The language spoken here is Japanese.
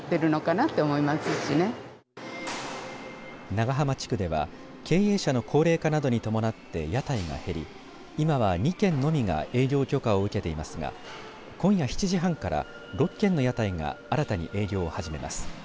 長浜地区では経営者の高齢化などに伴って屋台が減り今は２軒のみが営業許可を受けていますが今夜７時半から６軒の屋台が新たに営業を始めます。